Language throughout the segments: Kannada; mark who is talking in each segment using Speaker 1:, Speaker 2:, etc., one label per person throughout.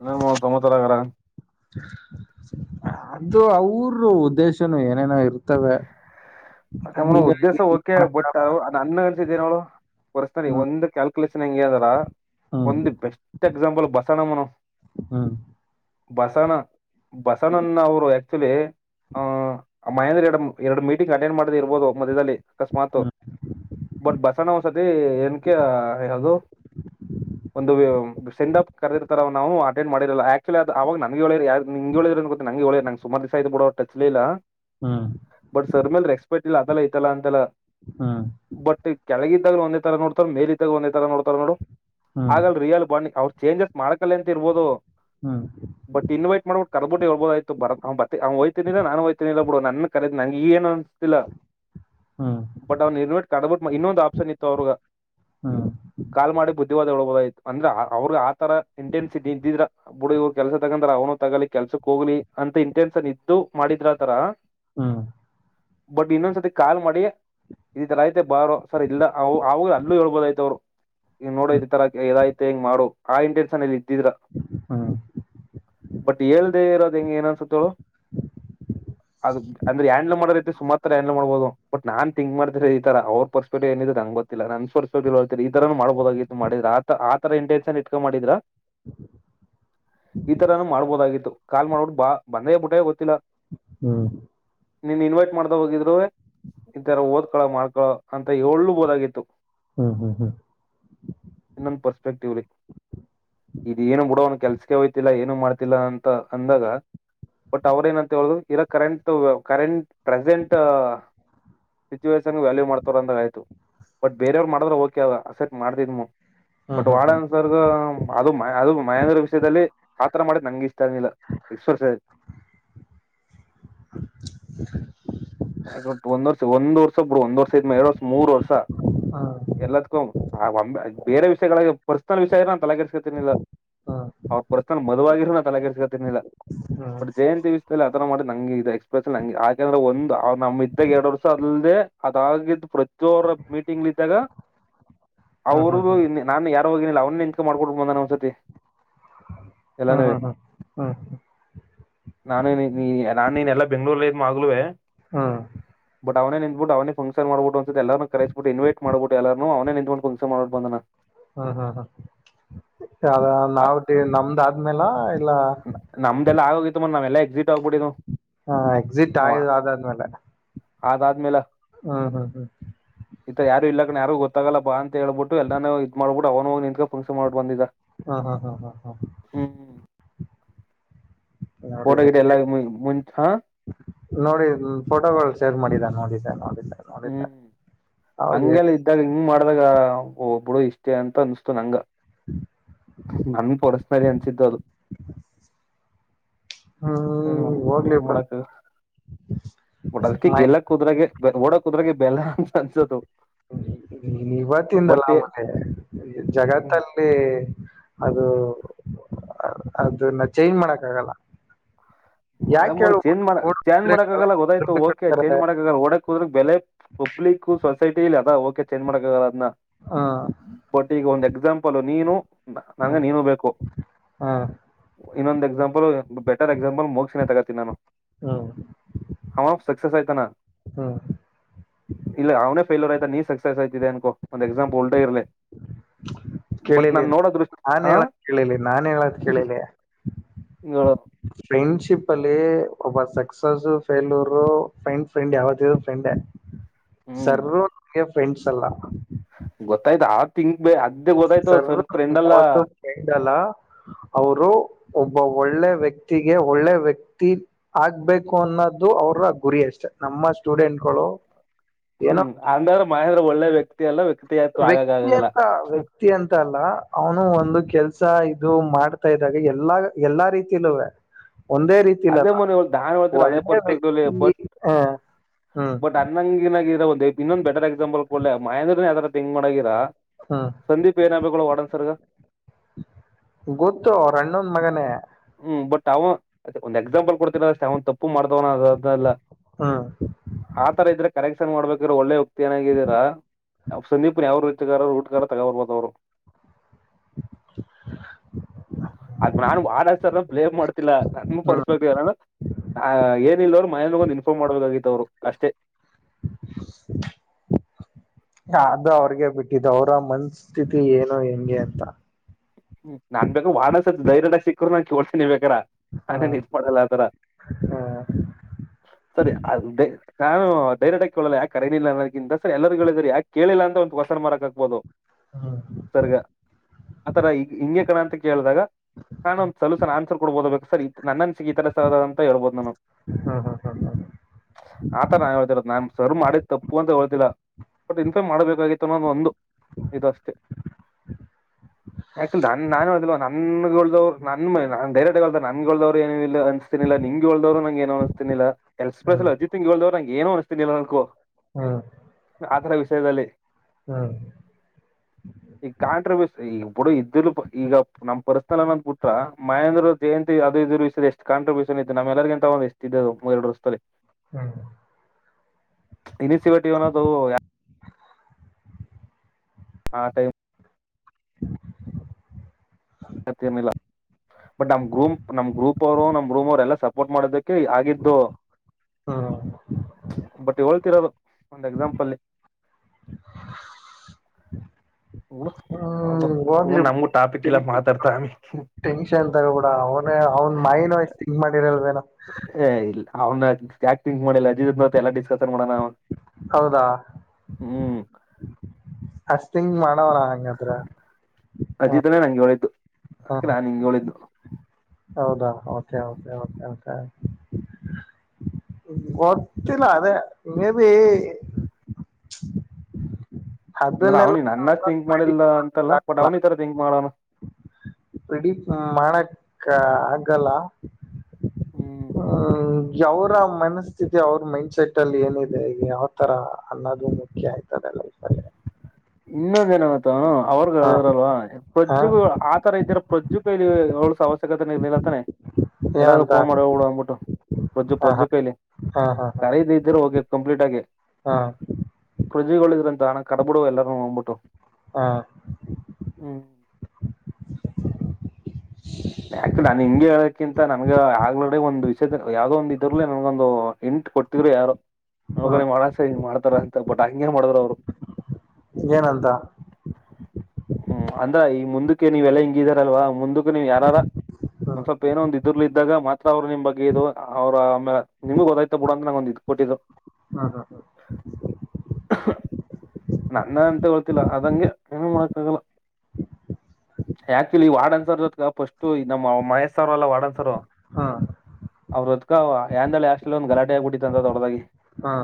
Speaker 1: ಇಲ್ಲ ತೊಂಬತ್ತಾರರ ಆಗ್ರ
Speaker 2: [inaudible] ಅದು ಅವರು ಉದ್ದೇಶನು ಏನೇನೋ ಇರ್ತವೆ.
Speaker 1: ಅಯಮ್ಮನ ಉದ್ದೇಶ
Speaker 2: ಹಂಗಾಗಿ
Speaker 1: ಓಕೆ ಬಟ್ ನನ್ನ ಅಣಸಿದ್ದೇ ಏನ್ ಹೇಳ್ ಬರಕ್ಕಲ್ಲಿ
Speaker 2: ಹ್ಮ್
Speaker 1: ಒಂದು ಕ್ಯಾಲ್ಕುಲೇಷನ್ ಹಂಗೆದಾರ
Speaker 2: ಹ್ಮ್
Speaker 1: ಒಂದು ಬೆಸ್ಟ್ ಟ್ ಎಕ್ಸಾಂಪಲ್ ಬಸಣ ಮೋ
Speaker 2: ಹ್ಮ್
Speaker 1: ಬಸಣ ಬಸವನನ್ ಅವರು ಆಕ್ಚುಲಿ ಆ ಮಹೇಂದ್ರ ಎರಡು ಎರಡು ಮೀಟಿಂಗ್ ಆ ಏನ್ ಮಾಡೇ ಇರ್ಬಹುದು ಮಧ್ಯದಲ್ಲಿ ಅಕಸ್ಮಾತ್ು
Speaker 2: ಹ್ಮ್
Speaker 1: ಬಟ್ ಬಸಣ ಒಂದಸತಿ ಏನ್ಕ ಯದು ಒಂದು ಸೆಂದಪ್ ಕರೆದರ್ತಾರ ನಾ ಅಟೆಂಡ್ ಮಾಡರಿಲ್ಲ ಆಕ್ಚ್ಯುಲ್ಲಿ ಅದು ಅವಾಗ ನಂ ಹೇಳಿಂ ಹ ಹೇಳಿ ನಂಗೆ ಹೇಳರೇ ಸುಮಾರ್ ದಿಸ್ ಆಯ್ತು ಬಿಡ [unintelligible]
Speaker 2: ಹ್ಮ
Speaker 1: ಬಟ್ ಸರ್ ಮೇಲ್ ರೆಸ್ಪೆಕ್ಟ್ ಇಲ್ಲ ಅದೆಲ್ಲ ಐತಲ್ಲ ಅಂತಲ್ಲ
Speaker 2: ಹಾ
Speaker 1: ಬಟ್ ಕೆಳಗಿದ್ದಾಗ ಒಂದ ತರ ನೋಡ್ತಾರ ಮೇಲಿದ್ದಾಗ ಒಂದೇ ತರ ನೋಡ್ತಾರ ನೋಡು
Speaker 2: ಹ್ಮ್ ಹ್ಮ್
Speaker 1: ಹಾಗಲ್ ರಿಯಲ್ ಬನ್ನಿ ಅವ್ರರು ಚೇಂಜಸ್ ಮಾಡ್ಕಲ್ಲ ಅಂತ ಇರ್ಬೋದು
Speaker 2: ಹ್ಮ
Speaker 1: ಬಟ್ ಇನ್ವೈಟ್ ಮಾಡಬಿು ಕರದಬಿಟ್ಟ ಹೇಳ್ಬೋದ ಆಯತ ಬರ ಬ ಅವ್ಯ್ತನಿಲ್ಲ ನುಯ್ತನಿಲ್ಲ ಬಿಡ ನನ್ನ ಕರೆ ನಂಗ ಏನ್ ಇಲ್ಲ
Speaker 2: ಹ್ಮ್
Speaker 1: ಬಟ್ ಅವ್ನ್ ಇಮೇಟ್ ಕಬ ಇನ್ನೊಂದು ಆಪ್ಷನ್ ಇತ್ತು ಅವ್ರಗ
Speaker 2: ಹಾ
Speaker 1: ಕಾಲ್ ಮಾಡಿ ಬುದ್ಧಿವಾದ ಹೇಳ್ಬದ ಆ್ತು ಅಂದ್ರೆ ಅವ್ರಗ್ ಆ ತರ ಇಂಟೆನ್ಸಿಟಿ ಇದ್ದಿದ್ರ ಬುಡಿ ಇವರು ಕೆಲ್ಸ ತಗಂದ್ರ ಅವ್ನು ತಗಲಿ ಕೆಲ್ಸಕ್ ಹೋಗ್ಲಿ ಅಂತ ಇಂಟೆನ್ಸನ್ ಇದ್ದು ಮಾಡಿದ್ರ ಆತರ
Speaker 2: ಹ್ಮ
Speaker 1: ಬಟ್ ಇನ್ನೊಂದ್ ಸತಿ ಕಾಲ್ ಮಾಡಿ ಈ ತರ ಐತೆ ಬಾರು ಸರ್ ಇಲ್ಲ ಅವ ಅಲ್ಲೂ ಹೇಬೋದ ಐತ ಅವರು ನೋಡೋ ಇದ
Speaker 2: ಹ್ಮ್
Speaker 1: ತರ ಎದ್ತ ಹೆಂಗ ಮಾಡು ಆ ಇಂಟೆನ್ನ್ಲ್ಲಿ ಇದ್ದಿದ್ರ
Speaker 2: ಹಾ
Speaker 1: ಬಟ್ ಹೇಳ್ದೇ ಇರೋದು ಹೆಂಗ ಏನ್ ಅನ್ಸುತೆಳು ಅದು ಅಂದ್ರೆ ಹ್ಯಾಂಡ್ಲ್ ಮಾಡೋರ್ೈತೆ ಸುಮಾರ್ ಮಾಡ್ಬೋ ಬ ನಾನ್ ತಿಂಕ್ ಮಾಡ್ತೀ ಈ ತರ ಅವ ಪರ್ಸ್ಪೆಟ ಏಂಗ ಗೊಿತಿಲ್ಲ ನಾನ್ ಪ್ರಾಸ್ಪೆಕ್ಟ್ ಈ ತರ ಮಾಡ್ಬೋ ಮಾಡಿದ್ರ ಆತ ಆತರ ಇಂಟೆನ್ಷನ್ ಇಟ್ಕೊ ಮಾಡಿದ್ರಾ ಈ ತರಾನು ಮಾಡ್ಬೋದಾಗಿತ್ತು ಕಾಲ್ ಮಾಡೋದು ಬಾ ಬಂದೇ ಬಿುಟ್ಟ ಗೊತ್ತಿಲ್ಲ
Speaker 2: ಹ್ಮ್
Speaker 1: ನೀನ್ ಇನ್ವೈಟ್ ಮಾಡಿ ಹೋಗಿದ್ರು ಈ ತರ ಓದ್ಕಳ ಮಾಡ್ಕೊಳ ಅಂತ ಹೇಳಳ್ಬೋದಾಗಿತ್ತು
Speaker 2: ಹ್ಮ್ ಹ್ಮ್ ಹ್ಮ್
Speaker 1: ಇನ್ನೊಂದು ಪರ್ಸ್ಪೆಕ್ಟಿವ್ಲಿ ಇದು ಏನು ಬಿಡು ಒನ್ ಕೆಲ್ಸ ಹೋಯ್ತಿಲ್ಲಾ ಏನು ಮಾಡ್ತಿಲ್ಲಾ ಅಂತ ಅಂದಾಗ ಬಟ್ ಅವ್ರ ಏನಂತ ಹೇಳುದು ಈಲ್ಲ current current present situation value ಮಾಡ್ತಾರ್ರಂದಾಗ ಆ್ತು ಬಟ್ ಬೇರೆಯವ್ ಮಾಡ್ರ ಓಕೆ ಅಸೆಟ್ ಮಾಡಿದ್್ಮ ಬಟ್
Speaker 2: ಹ್ಮ್ ಹ್ಮ್
Speaker 1: ವಾಡ
Speaker 2: ಹ್ಮ್
Speaker 1: ರ್ ಅದು ಮ ಅದು ಮಹಂದರ ವಿಷಯದಲ್ಲಿ ಆಥರ ಮಾಡಿದ್ ನಂಗಗೆ ಇಷ್ಟ ಆಗ್ಲಿಲ್ಲ ಈಸ್ಟ್ ವರ್ಷ ಆಯಿತು ಸರಿ
Speaker 2: [unintelligible]
Speaker 1: ಯಾಕ ಒಂದ್ರ್ ಒಂದ್ ವರ್ಷ ಬಿರು ಒಂದ್ ವರ್ಷ ಐ್ಮ ಎರಡ್ ವರ್ಷ ಮೂರ್ ವರ್ಷ ಎಲ್ಲತ್ಕೊಂಡ ಆ ಬೇರೆಷಯಗಳಾಗಿ ಪರ್ಸನಲ್ ವಿಷಯ ಇದ ನಾನು ತಲೆಕೆಡಿಸಿಕೊಂಡಿತಿರಲಿಲ್ಲ ಅವ ಪರ್ಸನಲ್ ಮದುವಾಗಿರೂ ನಾ ತಲೆ ಕೆೇರ್ಸಕ ತಿನಿಲ್ಲ ಬಟ್ ಜಯಂತಿ ಆಥರ ಮಾಡಿ ನಂಗೆ ಇ ಎಕ್ಸ್ಪ್ರೆಸ್ಂಗೆ ಯಾಕಂದ್ರೆ ಒಂದು ಅವ್ ನಮ ಇದಾಗ ಎರಡು ವರ್ಷ ಅದದೆ ಅದಾಗಿದ್ದು ಪ್ರತಿಯೊರ ಮೀಟಿಂಗ್ ಇದ್ದಾಗ ಅವರು ನಾು ಯಾರು ಹೋಗನಿಲ್ಲ ಅವನ್ನ ಇನ್ಕ ಮಾಡ್ಬಿಟ್ಟು ಬಂದಾನ ಒಂದ್ಸತಿ
Speaker 2: ಹ್ಮ ಹ್ಮ
Speaker 1: ಎಲ್ಲಾನುವೆ
Speaker 2: ಹ್ಮ್ ಹ್ಮ ಹ
Speaker 1: ನಾನು ನಾನ ನೀನ್ ಎಲ್ಲಾ ಬೆಂಗ್ಳೂರ್ ಲ್ಲಿಯೇ ಮಾಗಲುವೆ
Speaker 2: ಹ್ಮ
Speaker 1: ಬಟ್ ಅವನೇ ನಿಂದ್ ಅವನೇ ಫಕ್ಷನ್ ಮಾಡಬಿಟು ಅವನೇ ಒಂದು ಸತಿ ಎಲ್ಲು ಕರೆಸಬಿುಟು ಇನವೈಟ್ ಮಾಡಬಿಟು ಎಲ್ಲಾರನು ಅವನೇ ನಿಂದ ಕೋಂಡ ಫಂಗಷನ್ ಮಾಡಬುಟು ಬಂದಾನ್
Speaker 2: ಹ್ಮ್ ಹ್ಮ್ ಹ್ಮ್ ನಾವ ನಮ್ದ ಆದ್ಮೇಲ ಇಲ್ಲ
Speaker 1: ನಮ್ದೆಲ್ಲ ಆಗೋಗತ್ತು ಮ ನಾವೆಲ್ಲ ಎಕ್ಸಿಟ್ ಆಗಬಿಡಿದವು
Speaker 2: ಹಾ ಎಕ್ಸಿಟ್ ಆಗ ಅದಾದ್ಮೇಲೆ
Speaker 1: ಅದ್ ಆದ್ಮೇಲೆ
Speaker 2: ಹ್ಮ್ ಹ್ಮ್ ಹ್ಮ್
Speaker 1: ಹ [unintelligible] ಇ ಯಾರು ಇಲ್ಲಕಣ ಯಾರು ಗೊತ್ತಾಗಲ್ಲ ಬಾ ಅಂತ ಹೇಳಳ್ಬಟ್ಟ ಎಲ್ಲಾನೂ ಇದ್ ಮಾಡ್ಬಿಟ್ಟ ಅವನು ನಿಂತ್ ಹೋಗ್ಬಿಟ್ಟು ಫಂಗಷನ್ ಮಾಡಿ ಬಂದಿದ್ದ
Speaker 2: ಹಾ ಹಾ ಹಾ ಹಾ ಹಾ
Speaker 1: ಹ್ಮ್ ಫೋಟೋ
Speaker 2: ನೋಡಿದೆ
Speaker 1: ಗಿಟೊ ಎಲ್ಲ ಮುಂ ಹಾ
Speaker 2: ನೋಡಿ ಫೋಟೋಗಳು ಶೇರ್ ಮಾಡಿದ ನೋಡಿ ಸರ್ ನೋಡಿ ಸರ್
Speaker 1: ಹ್ಮ್ ಹಂಗೆಲ್ಲಾ ಇದಾಗ ಹಿಂಗ್ ಮಾಡ್ದಾಗ ಒಬ್ಬಡು ಇಷ್ಟೇ ಅಂತ ಅನ್ಸ್ತು ನಂಗ ನನ್ ಪೊಡಸ್ನಾರಿ ಅನ್ಸಿದ್ದ ಅದು ಏನ್
Speaker 2: ಹ್ಮ್ ಹೋಗ್ಲಿ ಬಿಡು
Speaker 1: ಮಾಡಕ್ [unintelligible] ಓಡಲ್ಕಿ
Speaker 2: ಮೈ
Speaker 1: ಗೆಲ್ಲ ಕುದುರೇಗ ಓಡ ಕುದುರಗೆ ಬೆಲೇ ಅಂತ ಅನ್ಸತು
Speaker 2: ನೀನ್ ಇವತ್ತಿಂದಲ್ಲಾ ಆ ಮನೆ
Speaker 1: ಹ್ಮ್
Speaker 2: ಜಗತ್ತಲ್ಲಿ ಅಲ್ಲಿ ಅದು ಅದನ್ನ ಚೇಂಜ್ ಮಾಡಕ್ ಆಗಲ್ಲ
Speaker 1: ಮದೆ
Speaker 2: ಯಾಕೆ
Speaker 1: ಮ
Speaker 2: ಹೇಳು
Speaker 1: ಚೇಂಜ್ ಮಾಡ ಚೇಂಜ್
Speaker 2: ನೋಡಿದ್ರೆ
Speaker 1: ಮಾಡಕಾಗಲ್ಲ ಗೊತ್ತಾಯ್ತು
Speaker 2: ದುಡ್ಡು
Speaker 1: ಓಕೆ ಚೇಂಜ್
Speaker 2: ಕಟ್ತಾರೆ
Speaker 1: ಮಾಡಕ್ ಓಡಕ್ ಹದ್ರ ಬೆಲೆ ಪಬ್ಲಿಕ್ ಸೊಸೈಟಿ ಇ ಅದ ಓಕೆ ಚೇಂಜ್ ಮಾಡಕಾಗದದನ್ನ
Speaker 2: ಹ
Speaker 1: ಬಟ್ ಈಗ ಒಂದ ಎಕ್ಸಾಂಪಲ್ ನೀನು
Speaker 2: ಹ
Speaker 1: ನಂಗೆ ನೀನು ಬೇಕು
Speaker 2: ಹ
Speaker 1: ಇನ್ನೊಂದ್ ಎಕ್ಸಾಂಪಲ್ ಬೆಟರ್ ಎಕ್ಸಾಂಪಲ್ ಮೋಕ್ಸಿನೇ ತಗೋತಿ ನಾನು
Speaker 2: ಹಾ
Speaker 1: ಹಾ ಸಕ್ಸಸ್ ಆಯತಾನ
Speaker 2: ಹ್ಮ್
Speaker 1: ಇಲ್ಲ ಅವ್ನ ಫೈಲರ್ ಆಯತಾ ನೀ ಸಕ್ಸಸ್ಯಐತಿದೆ ಅನ್ಕ ಒಂದ ಎಕ್ಸಂಪ್ ಉಲ್ಡ ಇಲಿ [unintelligible]
Speaker 2: ಕೇಳಲಿ ನಾನ್ ಹೇಳದ ಕೇಳಲಿ ನಾನ ಹೇಳದ ಕೇಳಿಲ್ಲಿ
Speaker 1: ಹೇಳು
Speaker 2: ಫ್ರೆಂಡ್ಶಿಪ್ ಅಲ್ಲಿ ಒಬ್ಬ ಸಕ್ಸಸ್ ಫೇಲ್ಯೂರ್ ಫ್ರೆಂಡ್ ಫ್ರೆಂಡ್ ಯಾವ್ದರು ಫ್ರೆಂಡೆ
Speaker 1: ಹ್ಮ್
Speaker 2: ಸರ್ರು ನಗೆ ಫ್ರೆಂಡ್ಸ್ ಅಲ್ಲ
Speaker 1: ಗೊತ್ತಾಯ್ತ ಆ ತಿಂಗ್ ಅದ್ದೇ ಗೊತ್ತಾಯ್ತು
Speaker 2: ಸರ್
Speaker 1: ಸರ್ದ ಫ್ರೆಂಡ್ ಅಲ್ಲಾ
Speaker 2: ಯಾವತ್ತೂ ಫ್ರೆಂಡ್ ಅಲ್ಲ ಅವರು ಒಬ್ಬ ಒಳ್ಳೆ ವ್ಯಕ್ತಿಗೆ ಒಳ್ಳೆ ವ್ಯಕ್ತಿ ಆಗ್ಬೇಕು ಅನ್ನೋದು ಅವ್ರ ಗುರಿ ಅಷ್ಟೇ ನಮ್ಮ ಸ್ಟೂಡೆಂಟ್ಗಳು ಏನೋ
Speaker 1: ಹ್ಮ್ ಅಂದ್ರ ಮಹೇಂದ್ರ ಒಳ್ಳೆ ವ್ಯಕ್ತಿ ಎಲ್ಲ ವ್ಯಕ್ತಿಯತು ಆಗಕ
Speaker 2: ವ್ಯಕ್ತಿ
Speaker 1: ಆಗಲ್ಲ
Speaker 2: ಅಂತ ವ್ಯಕ್ತಿ ಅಂತಲ್ಲ ಅವನು ಒಂದು ಕೆಲ್ಸ ಇದು ಮಾಡ್ತಾ ಇದ್ದಾಗ ಎಲ್ಲಾ ಎಲ್ಲಾ ರೀತಲ್ಲ ಒಂದೇ ರೀತಿ
Speaker 1: ಅದೇ ಮನ ಅವ ದಾ ಹಳ್ತ ಅದೇ ಪರ್ಸ್ಪೆಕ್ಟ್ ಲೇ
Speaker 2: ವ್ಯಕ್ತಿ
Speaker 1: ಬಟ್
Speaker 2: ಹ ಹ್ಮ್
Speaker 1: ಬಟ್ ಅನ್ನಂಗಿನಾಗರ ಒಂದ ಇನ್ನೊಂದು ಬೆಟರ್ ಎಕ್ಸಾಂಪಲ್ ಕೊಡ್ಲ ಮಹೇಂದ್ರನ ಯಾವರ ತಿಂಗ್ ಮಾಡಗಿರ
Speaker 2: ಹಾ
Speaker 1: ಸಂದೀಪ್ ಏನ ಆಖಬೇಕು ಒಡನ ಸರ್ ಗ
Speaker 2: ಗೊತ್ತು ಅವರ ಅಣ್ಣೊಂದ ಮಗನೆ
Speaker 1: ಹ್ಮ್ ಬಟ್ ಅವ್ ಒಂದು ಎಕ್ಸಾಂಪಲ್ ಕೊಡ್ತನೆ ಅಷ್ಟೇ ಅವನ್ ತಪ್ಪು ಮಾಡ್ದವ್ ಅದದಲ್ಲ.
Speaker 2: ಹಾ
Speaker 1: ಆತರ ಇದ್ರೆ ಕರೆಕ್ಷನ್ ಮಾಡ್ಬೇಕ್ರೆ ಒಳ್ಳೆ ವ್ಯಕ್ತಿ ಏನಾಗಿದೀರಾ ಸಂದೀಪ್ನ ಯಾವ್ ಕಾರ ಊಟ್ಗಾರ ತಗೊ ಬರಬೇಕ್ ಅವರು
Speaker 2: ಹ
Speaker 1: ಅದ್ ನಾನ್ ವಾರದಾ ಸರ್ ನಾ ಬ್ಲೇಮ್ ಮಾಡ್ತಿಲ್ಲ ನನ್
Speaker 2: ಹ್ಮ್
Speaker 1: ಪರ್ಸ್ಬೇಕು ಏನಲ್ವಾ ಚಿನ್ನಿ ಹೋಗ್ ಮನೇಲಿ ಒಂದು ಇನ್ಫಾರ್ಮ್ ಮಾಡ್ ಬಹುದಿತ್ತ್ ಅಷ್ಟೇ.
Speaker 2: ಅದು ಅವ್ರಿಗೆ ಬಿಟ್ಟಿದ್ದ್ ಅವ್ರ ಮನ್ಸ್ ಸ್ಥಿತಿ ಏನೋ ಹೆಂಗೆ ಅಂತ.
Speaker 1: ಹ್ಮ್ ನಾನ್ ಬೇಕು ವಾರ್ಡನ್ ಸರ್ ಡೈರೆಕ್ಟ್ ಆಗಿ ಸಿಕ್ಕರು ನಾನ್ ಕೇಳ್ತೀನಿ ಬೇಕಾರೆ. ನನ್ನೇನ್
Speaker 2: ಹ್ಮ್
Speaker 1: ಇದ್ ಮಾಡಲ್ಲ ಆತರ
Speaker 2: ಹ್ಮ್
Speaker 1: ಸರಿ ಅದ್ ಬೇಕ್ ನಾನು ಡೈರೆಕ್ಟ್ ಆಗಿ ಕೇಳಲ್ಲ ಯಾಕೆ ಕರೇನಿಲ್ಲ ಅನ್ನನಗಿಂತ ಸರ್ ಎಲ್ಲರೂ ಕ ಹೇಳಿದ್ರೆ ಯಾಕ್ ಕೇಳಿಲ್ಲ ಅಂತ ಒಂದ್ ಕೋಷನ್ ಮರಕ್ ಆಕ್ಬಹುದು.
Speaker 2: ಹಾ
Speaker 1: ಸರ ಈ ಹಿಂಗೆ ಕಣ ಅಂತ ಕೇಳಿದಾಗ ನಾನುಂದಂದು ಸಲ್ಯೂಷನ್ ಆನ್ಸರ್ ಕೊಡ್ಬೋದು ಬ ಸರ್ ನನ್ನ ಅನಿಸಿಕೆ ಈ ತರ ಸದ ಸರ್ ಅಂತ ಹೇಳ್ಬೋದು ನಾನು.
Speaker 2: ಹ್ಮ್ ಹ್ಮ್ ಹ್ಮ್ ಹ್ಮ್
Speaker 1: ಆತರ ನಾನ್ ಹೇಳ್ತಿರ್ ನಾನ್ ಸರ್ ಮಾಡಿದ್ ತಪ್ಪು ಅಂತ ಹೇಳ್ತಿಲ್ಲಾ. ಬಟ್ ಇನ್ಫಾರಮ್ ಮಾಡ್ಬೇಕಾಗಿತ್ತು ಅನ್ನೋದು ಒಂದು ಇದು ಅಷ್ಟೇ. ಯಾಕಂದ್ರೆ ನಾನು ಓದ್ದಿಲ್ವಾ ನಾನ್ ಹ್ ನನ್ಗದವ್ ನನ್ ಮ ನ ಧೈರ್ಯದ ನನ್ಗಗಳೋದ್ರು ಏನ ಇ ಅನ್ಸ್ತೀನಿಲ್ಲ ನಿಂಗಗೆೋ್ದವ್ರು ನಂ ಏನು ಅಿಸಸ್ತನಿಲ್ಲ [unintelligible] ಎಲ್ಸ್ಪ ಅಜಿತ್ ಹಂಗ ಹೇಳದವ ನಂ ಏನು ಅಸ್ತಿನಿಲ್ಲಾಲ್
Speaker 2: ಹ್ಮ್
Speaker 1: ಆತರ ವಿಷಯದಲ್ಲಿ
Speaker 2: ಹ್ಮ್
Speaker 1: ಈ ಕಾಂಟ್ರಾವರ್ಸಿ ಈಗ ಬುಡ ಇದ್ದಲು ಈಗ ನಮ್ ಪರ್ಸನಲ್ ಅನ್ನೊಂದ್ ಪುಟ್ ಮಹೇಂದ್ರ್ ಜಯಂತಿ ಅದು ಇದ್ರ ಎಷ್ಟ ಕಾಂಟ್ರಾವರ್ಸಿ ಅತ್ ನಮ್ಮಲ್ಲಗಂತೂ ಒ ಎಷ್ಟ ಇದು ಮೂರ ವರ್ಷದಲ್ಲಿ.
Speaker 2: ಹ್ಮ್
Speaker 1: ಇನಿಷಿಯಿವೇಟಿವ್ ಅನೋದು ಹಾಂ ಏನ್ ಇಲ್ಲ ಬಟ್ ನಮ್ ಗ್ರೂಮಪ್ ನಮ್ ಗ್ರೂಪ್ ಅವರು ನಮ್ ರೂಮ್ ಅವರು ಎಲ್ಲಾ ಸಪೋರ್ಟ್ ಮಾಡೋದಕ್ಕೆ ಕೇ ಆಗಿದ್ದು
Speaker 2: ಹ್ಮ್
Speaker 1: ಬಟ್ ಹೇಳ್ತಿರೋದು ಒಂದು ಎಕ್ಸಾಂಪಲ್ಲಿ ಹೌದು
Speaker 2: ಹ್ಮ್
Speaker 1: ಸುಮ್
Speaker 2: ಹೋಗ್ಲಿ
Speaker 1: ನಮ್ಗೂ ಟಾಪಿಕ್ ಇಲ್ಲ ಮಾತಾಡ್ತಾಮಿ
Speaker 2: [unintelligible] ಟೆನ್ಷನ್ ಅ ತಗೊ ಬೇಡ ಅವನ ಅವ್ನ ಮೈಂಡ್ ಎಷ್ಟ್ ತಿಂಕ್ ಮಾಡಿರಲ್ವೇನೊ.
Speaker 1: ಏ ಇಲ್ಲ ಅವ್ನ ಯಾಕ್ ತಿಂಕ್ ಮಾಡಿಲ್ಲ ಅಜಿತ್ ಎಲ್ಲಾ ಡಿಸ್ಕಾಸ್
Speaker 2: ಹೌದಾ
Speaker 1: ಹ್ಮ್
Speaker 2: ಅಷ್ಟ್ ತಿಂಕ್ ಮಾಡವ್ರ ಹಂಗದ್ರೆ.
Speaker 1: ಅಜಿತನೇ ನಂಗೆ ಹೇಳಿದ್ದು
Speaker 2: ಹ
Speaker 1: ಅದಕ್ಕೆ
Speaker 2: ಹ.
Speaker 1: ನಾನ್ ನಿನಗೆ ಹೇಳಿದ್ದು.
Speaker 2: ಹೌದಾ ಓಕೆ ಓಕೆ ಓಕೆ ಓಕೆ ಗೊತ್ತಿಲ್ಲ ಅದೇ ಮೇ ಬಿ
Speaker 1: ಅಂದ್ರೆ
Speaker 2: ಅದನ್ನೆಲ್ಲ
Speaker 1: ಅವನಿ ನನ್ನಾಷ್ಟ್ ತಿಂಕ್ ಮಾಡಿಲ್ಲ ಅಂತಲ್ಲ ಬಟ್ ಅವನೂ ಈತರ ತಿಂಕ್ ಮಾಡೋಣ.
Speaker 2: ಪ್ರಡೀಪ್ ಮಾಡಕ್ಕ ಆಗಲ್ಲ.
Speaker 1: ಹ್ಮ್
Speaker 2: ಹಾ ಯ ಅವರ ಮನಸ್ಥಿತಿ ಅವರ ಮೈಂಡ್ಸೆಟ್ ಅಲ್ಲಿ ಏನಿದೆ ಈ ಯಾವ ತರ ಅನ್ನೋದು ಮುಖ್ಯ ಆಗಿತ್ತು. ಅಲ್ಲ
Speaker 1: ಇನ್ನೊಂದ್ ಏನಾಗುತ್ತ ಅವ್ರಗ
Speaker 2: ಹ
Speaker 1: ಹೇಳಿದ್ರಲ್ವಾ.
Speaker 2: ಹ
Speaker 1: ಪ್ರಜ್ಜಗ್ ಆತರ ಇತರ ಪ್ರಜ್ಜಗೈಲ್ಲಿ ಹೋಳ್ಸ ಅವಶ್ಯಕತೆ ಇರ್ಲಿಲ್ಲತಾನೆ. ಎಲ್ಲಾದೂ
Speaker 2: ಏನಂತ
Speaker 1: ಪೋನ್ ಮಾಡು ಹೋಗಳು ಅನ್ನಬಿಟ್ಟು ಪೊಜು
Speaker 2: ಹ ಹ
Speaker 1: ಪೊಜ ಕೈಲಿ
Speaker 2: ಹ ಹ
Speaker 1: ಖಾಲೀದ ಇದ್ದೀರು ಓಕೆ ಕಂಪ್ಲೀಟ್ ಆಗಿ.
Speaker 2: ಹ
Speaker 1: [unintelligible] ಅಂತ ಅಣ್ಣ ಕರದ್ ಬಿಡು ಎಲ್ಲರನೂ ಬಂದ್ಬಿಟ್ಟು.
Speaker 2: ಹ್ಮಾ
Speaker 1: ಹ್ಮ್ ಆಕ್ಚುಲಿ ನಾನ್ ಹಿಂಗೆ ಹೇಳೋಕಿಂತ ನನ್ಗ ಆಲ್ರೆಡಿ ಒಂದು ಯಾವ್ದೋ ಒಂದು ಇದ್ರಲಿ ನನ್ಗೊಂದು ಹಿಂಟ್ ಕೊಟ್ಟಿದ್ರು ಯಾರೊ.
Speaker 2: ಹ ಹ
Speaker 1: [unintelligible] ಹಿಂಗ ಮಾಡ್ತಾರ ಅಂತ ಬಟ್ ಹಂಗೇನ್ ಮಾಡದ್ರವರು.
Speaker 2: ಏನಂತ.
Speaker 1: ಹ್ಮ್ ಅಂದ್ರ ಈ ಮುಂದಕ್ಕೆ ನೀವೆಲ್ಲಾ ಹಿಂಗಿದಿರಲ್ವಾ ಮುಂದಕ್ಕೆ ನೀವ್ ಯಾರರ
Speaker 2: ಹ್ಮ್
Speaker 1: ಒಂದ್ ಸ್ವಲ್ಪ ಏನೋ ಒಂದ ಇದರ್ಲ ಇದ್ದಾಗ ಮಾತ್ರ ಅವರು ನಿಮ್ ಬಗ್ಗೆ ಇದು ಅವ್ರ ಆ ನಿಮಗೆ ಗೊದಾಯ್ತ ಬಿಡು ಅಂತ ನಂಗ ಒಂದು ಇದ ಕೊಟ್ಟಿದ್ದರು.
Speaker 2: ಹಾ ಹಾ ಹಾ
Speaker 1: ಅಹ್ ನನ್ನ ಅಂತ ಗೊತ್ತಿಲ್ಲ ಅದಂಗೆ ಏನು ಮಾಡ ಆಗಲ್ಲ. ಯಾಕ್ಚುಲಿ ವಾಡನ್ಸರ್ ಜೊತ್ ಫಸ್ಟ್ ನಮ್ಮ ಮಹೇಶ್ಸವರ್ ಅಲ್ವಾ ವಡನ್ಸರು.
Speaker 2: ಹಾ
Speaker 1: ಅವ್ರೊದಕ್ ಯಾಂದಾಳ ಹಾಷ್ಟಲಲಿ ಒಂದ ಗಲಾಟೆ ಆಗ್ಬಿಟ್ಟಿತಂತೆ ದೊಡ್ಡದಾಗಿ.
Speaker 2: ಹಾ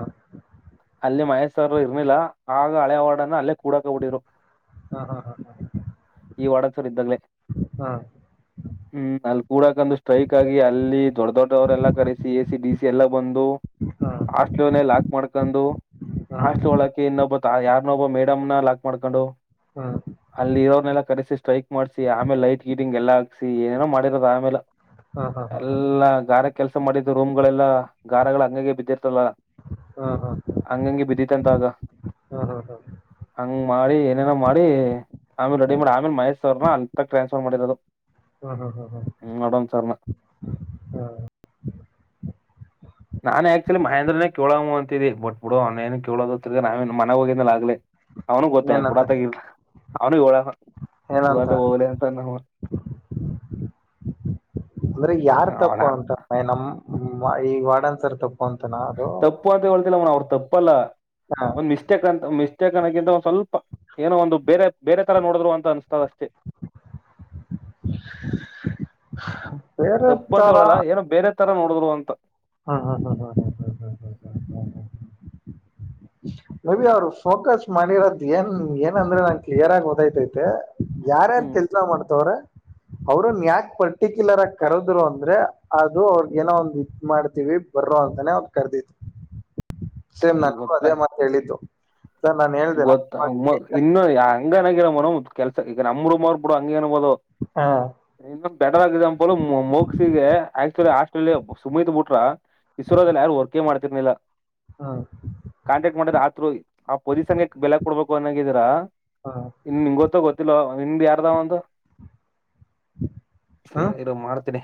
Speaker 1: ಅಲ್ಲಿ ಮಹೇಶ್ಸರ್ ಇರ್ಲಿಲ್ಲ ಆಗ ಹಳೆವಾರ್ಡನ್ ನ ಅಲ್ಲೇ ಕೂಡಕ ಬಿಟ್ಟಿದ್ರು.
Speaker 2: ಹಾ ಹಾ ಹಾ ಹಾ
Speaker 1: ಈ ವಾರ್ಡನ್ಸರ್ ಇದ್ದಾಗಲೇ.
Speaker 2: ಹಾ
Speaker 1: [inaudible] ಹ್ಮ್ ಅಲ್ಲಿ ಕೂಡಕಂದು ಸ್ಟ್ರೈಕ್ ಆಗಿ ಅಲ್ಲಿ ದೊಡ್ ದೊಡ್ಡವರೆಲ್ಲಾ ಕರೆಸಿ ಎ ಸಿ ಡಿ ಸಿ ಎಲ್ಲಾ ಬಂದು.
Speaker 2: ಹಾ
Speaker 1: ಹಾಸ್ಟ್ಲನೆ ಲಾಕ್ ಮಾಡ್ಕೊಂಡು ಹಾಸ್ಟ್ಲ ಒಳ ಇನ್ನೊಬ್ಬತ ಯಾರ್ನ ಒಬ್ಬ ಮೇಡಮ್ ನ ಲಾಕ್ ಮಾಡ್ಕೊಂಡು.
Speaker 2: ಹ್ಮ
Speaker 1: ಅಲ್ಲಿ ಇರೋರ್ನೆೆಲ್ಲ ಕರೆಸಿ ಸ್ಟ್ರೈಕ್ ಮಾಡ್ಸಿ ಆಮೇಲೆ ಲೈಟ್ ಗೀಟಿಂಗ್ ಎಲ್ಲ ಹಾಕ್ಸಿ ಏನೇನೋ ಮಾಡಿರೋದ ಆಮೇಲೆ.
Speaker 2: ಹ್ಮ್ ಹ್ಮ್ ಹ್ಮ್
Speaker 1: ಎಲ್ಲಾ ಗಾರೆ ಕೆಲ್ಸ ಮಾಡಿದು ರೂಮ್ ಗಳೆಲ್ಲಾ ಗಾರೆಗಳ್ ಹಂಗಗೆ ಬಿದ್ದಿರ್ತಲ್ಲ.
Speaker 2: ಹಾ ಹಾ
Speaker 1: ಹಂಗಂಗೆ ಬಿದ್ದಿತ್ತಂತೆ ಆಗ.
Speaker 2: ಹ್ಮ್ ಹ್ಮ್
Speaker 1: ಹಂಗ್ ಮಾಡಿ ಏನೇನ ಮಾಡಿ ಆಮೇಲೆ ರೆಡಿ ಮಾಡಿ
Speaker 2: ಹ್ಮ್
Speaker 1: ಆಮೇಲೆ ಮಹೇಶ್ ಸರ್ ನ ಅತ್ತ ಟ್ರಾನ್ಸ್ಫರ್ ಮಾಡಿರೋದು.
Speaker 2: ಹ್ಮ ಹ್ಮ ಹ್ಮ
Speaker 1: ಹ್ಮ್ ನೋಡನ್ ಸರ್
Speaker 2: ಹ್ಮ ಹಾ
Speaker 1: ನಾನನ್ ಆಕ್ಚುಲಿ ಮಹೇಂದ್ರನೇ ಕೇಳೋಮು ಅಂತಿದಿನಿ ಬಟ್ ಬಿಡು ಅವ್ನೇನು ಕೇಳೋದ ತಿರಗ ನಾವೆನ್ ಮನೆ ಹೋಗಿದ್ನಲ ಆಗ್ಲೆ. ಅವನು ಗೊತ್ತ
Speaker 2: ಏನಂತ
Speaker 1: ಬುಡಾತಾಗೆ [unintelligible]
Speaker 2: ಏನಂತ
Speaker 1: ಬುಡಾತಾಗ ಹೋಗಲಿ ಅಂತನ
Speaker 2: ಅಂದ್ರೆ ಯಾರ್
Speaker 1: ಅವನ
Speaker 2: ತಪ್ಪು ಅಂತ ನಮ ಈ ವಾಡನ್ಸರ್ ತಪ್ಪು ಅಂತಾನ ಅದು.
Speaker 1: ತಪ್ಪು ಅಂತ ಹೇಳ್ತಿಲ್ಲ ಅವ ಅವ್ರು ತಪ್ಪಲ್ಲ.
Speaker 2: ಹಾ
Speaker 1: ಮಿಸ್ಟೇಕ್ ಅಂತ ಮಿಸ್ಟೇಕ್ ಅನ್ನೊಕ್ಕಿಂತ ಒಂದು ಸ್ವಲ್ಪ ಏನೋ ಒಂದು ಬೇರೆ ಬೇರೆ ತರ ನೋಡುದ್ರು ಅಂತ ಅನ್ಸತದ ಅಷ್ಟೇ. [inaudible]
Speaker 2: ಸ್ ಹಾ ಬೇರೆ
Speaker 1: ತಪ್ಪು ಅಂತ
Speaker 2: ತರಾ.
Speaker 1: ಹೇಳಲ್ಲ ಏನೋ ಬೇರೆ ತರ ನೋಡಿದ್ರು ಅಂತ.
Speaker 2: ಹಾ ಹಾ ಹಾ ಹ ಹ ಹ ಹ
Speaker 1: [inaudible]
Speaker 2: ಮೇ ಬಿ ಅವ್ರು ಫೋಕಸ್ ಮಾಡಿರೋದ ಏನ್ ಏನಂದ್ರೆ ನಾನ್ ಕ್ಲಿಯರ್ ಆಗಿ ಓದೈತೈತೆ ಯಾರ್ಯಾರ್
Speaker 1: ಹ್ಮ್
Speaker 2: ಕೆಲ್ಸ ಮಾಡ್ತವ್ರೇ ಅವ್ರನ್ನ ಯಾಕೆ ಪರ್ಟಿಕ್ಯುಲರ್ ಆಗಿ ಕರದ್ರು ಅಂದ್ರೆ ಅದು ಅವ್ರ ಏನೋ ಒಂದ್ ಇ ಮಾಡ್ ಬರ ಅಂತಾನೆ ಅವ ಕರೆದಿತ್ತು ಸೇಮ್ ನಂಗೂ ಅದೇ
Speaker 1: ಗೊತ್ತಾಯ್
Speaker 2: ಮಾತ್ ಹೇಳಿದ್ದು ಸರ್ ನಾನ್ ಹೇಳ್ದೆ
Speaker 1: ಗೊತ್ತ ಇನ್ನೂ ಹಂಗನಾಗಿರ ಮನ ಕೆಲ್ಸ ಈಗ ನಮರು ಮರ್ ಬಿಡು ಹಂಗ ಅನ್ಬಹದು
Speaker 2: ಹಾ
Speaker 1: ಇನ್ನೊಂದು ಬೆಟರ್ ಎಕ್ಸಾಂಪಲ್ ಮೋಕ್ಸಿಗೆ ಆಕ್ಚುಲಿ ಆಸ್ಟ್ರೇಲಿಯಾ ಸುಮಿತ್ ಬಿಟ್ರೆ ಇಸ್ರೋದಲ್ಲಿ ಯಾರು ವರ್ಕ ಮಾಡ್ತಿರ್ಲಿಲ್ಲ
Speaker 2: ಹಾ
Speaker 1: ಕಾಟಾಕ್ಟ್ ಮಾಡಿದ್ರ ಆತ್ರ ಪೊಲೀಸನ್ ಬೆಲೆ ಕೊಡ್ಬೇಕು ಅನ್ನಾಗಿದೀರಾ
Speaker 2: ಹಾ
Speaker 1: ಇನ್ ನಿಮ್ ಗೊತ್ತ ಗೊತ್ತಿಲ್ಲವ ನಿಮ್ ಯಾರ್ದಾವ ಒಂದು ಸರಿ
Speaker 2: ಹ್ಮ್
Speaker 1: ಇರೋ ಮಾಡ್ತೀನಿ